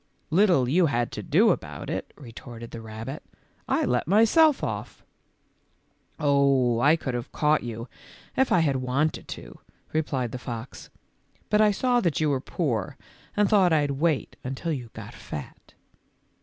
"Little you had to do about it," retorted the rabbit; "I let myself off." " Oh, I could have caught you if I had wanted to," replied the fox, w but I saw that you were poor and thought I'd wait until you got fat." t?